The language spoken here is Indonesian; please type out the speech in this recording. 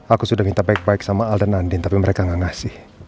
aku sudah minta baik baik sama alden dan andin tapi mereka gak ngasih